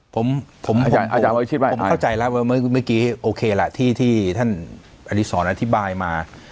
ผมผมเข้าใจแล้วว่าเมื่อกี้โอเคล่ะที่ท่านอดีศรอธิบายมา